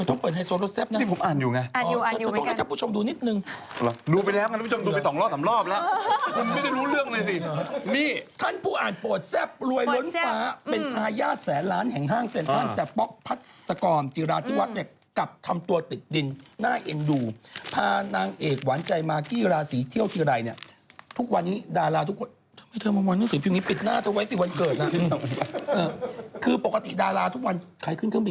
ท่านผู้อ่านโปรดแซ่บรวยล้นฟ้าเป็นทายาทแสนล้านแห่งห้างเซ็นทร์ท่านแต่ป๊อกพัดสกรมจีราธิวัฒน์เนี่ยกลับทำตัวติดดินหน้าเอ็นดูพานางเอกหวานใจมากี้ราศีเที่ยวที่ไรเนี่ยทุกวันนี้ดาราทุกคนทำให้เธอมาวนหน้าสีผิวนี้ปิดหน้าเธอไว้สิวันเกิดนะคือปกติดาราทุกวันขายขึ้นเคร